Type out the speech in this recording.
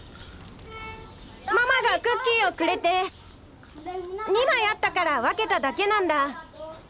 ママがクッキーをくれて２枚あったから分けただけなんだ。